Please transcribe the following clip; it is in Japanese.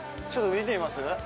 ちょっと見てみます？